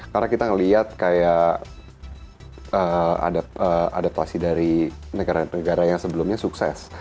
karena kita ngeliat kayak adaptasi dari negara negara yang sebelumnya sukses